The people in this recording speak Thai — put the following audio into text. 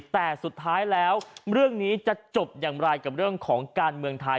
แต่สุดท้ายแล้วเรื่องนี้จะจบอย่างไรกับเรื่องของการเมืองไทย